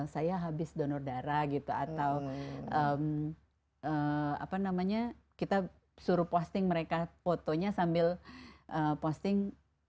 saya habis donor darah atau kita suruh posting mereka fotonya sambil posting